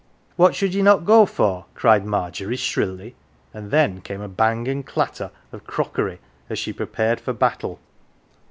"What should ye not go for?" cried Margery shrilly, and then came a bang and clatter of crockery a* she prepared for battle.